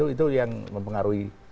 itu yang mempengaruhi